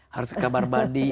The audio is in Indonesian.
harus ke kamar mandi